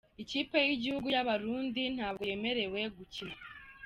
Ikipe y’igihugu y’Abarundi ntabwo yemerewe gukina